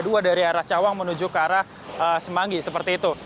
dari arah cawang menuju ke arah semanggi seperti itu